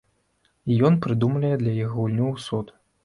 І ён прыдумляе для іх гульню ў суд.